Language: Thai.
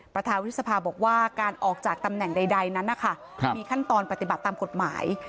ประธานวุฒิสภาบอกว่าการออกจากตำแหน่งใดนั้นนะคะมีขั้นตอนปฏิบัติตามกฎหมาย